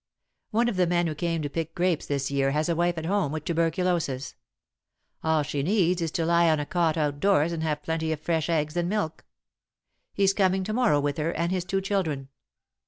One of the men who came to pick grapes this year has a wife at home with tuberculosis. All she needs is to lie on a cot outdoors and have plenty of fresh eggs and milk. He's coming to morrow, with her, and his two children.